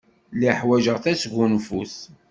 Lliɣ ḥwajeɣ tasgunfut.